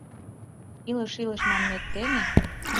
«Илыш-илыш» манмет дене